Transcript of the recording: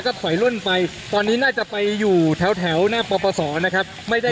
ทางกลุ่มมวลชนทะลุฟ้าทางกลุ่มมวลชนทะลุฟ้า